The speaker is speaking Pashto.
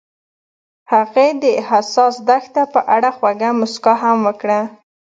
هغې د حساس دښته په اړه خوږه موسکا هم وکړه.